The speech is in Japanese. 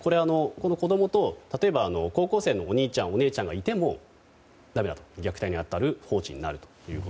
子供と例えば高校生のお兄ちゃんお姉ちゃんがいてもだめだと虐待に当たる放置になると。